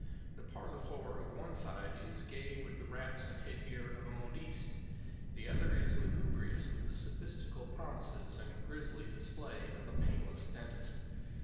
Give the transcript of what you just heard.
The parlor floor of one side is gay with the wraps and head gear of a modiste; the other is lugubrious with the sophistical promises and grisly display of a painless dentist.